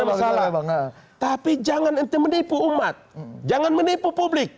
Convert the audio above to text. tidak masalah tapi jangan ente menipu umat jangan menipu publik